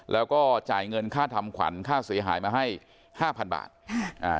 แล้วก็จ่ายเงินค่าทำขวัญค่าเสียหายมาให้ห้าพันบาทค่ะอ่า